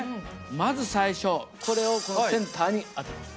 まず最初これをセンターに当てます。